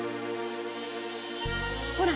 ほら！